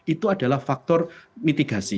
itu adalah faktor mitigasi